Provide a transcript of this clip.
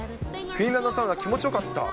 フィンランドサウナ、気持ちよかった。